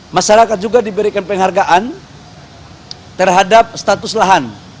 masyarakat juga diberikan penghargaan terhadap status lahan